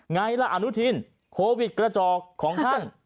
ไงล่ะอนุทินโควิดกระจอกของท่าน